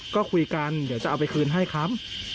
ก็คุยกันเดี๋ยวจะเอาไปคืนให้ครับ